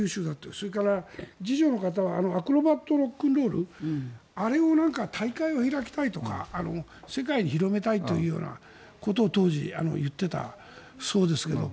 それから、次女の方はアクロバットロックンロールあれの大会を開きたいとか世界に広めたいというようなことを当時、言っていたそうですけど。